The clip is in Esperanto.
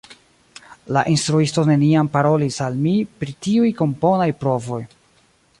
La instruisto neniam parolis al mi pri tiuj komponaj provoj.